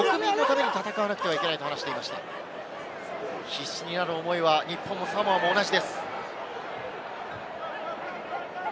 必死になる思いは日本もサモアも同じです。